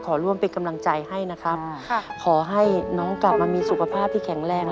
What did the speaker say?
ร่วมเป็นกำลังใจให้นะครับขอให้น้องกลับมามีสุขภาพที่แข็งแรง